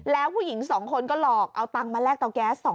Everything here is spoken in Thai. แล้วผู้หญิง๒คนก็หลอกเอาตังค์มาแลกเตาแก๊ส